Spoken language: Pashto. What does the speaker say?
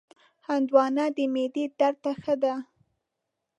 هندوانه د معدې درد ته ښه ده.